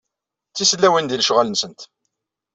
D tisellawin di lecɣal-nsent.